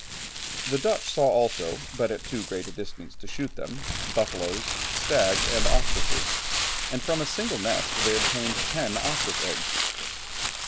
] The Dutch saw also, but at too great a distance to shoot them, buffalos, stags, and ostriches, and from a single nest they obtained ten ostrich eggs.